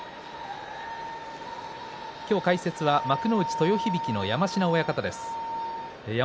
今日、解説は幕内豊響の山科親方です。